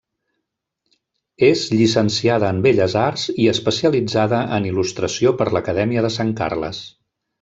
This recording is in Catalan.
És llicenciada en Belles Arts i especialitzada en il·lustració per l'Acadèmia de Sant Carles.